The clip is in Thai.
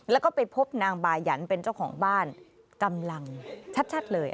แล้วก็ไปพบนางบายันเป็นเจ้าของบ้านกำลังชัดเลย